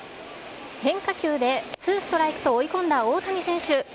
変化球でツーストライクと追い込んだ大谷選手。